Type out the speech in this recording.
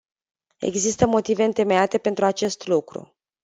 Există motive întemeiate pentru acest lucru.